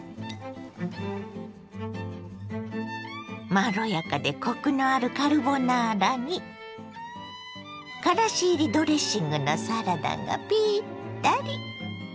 まろやかでコクのあるカルボナーラにからし入りドレッシングのサラダがピッタリ。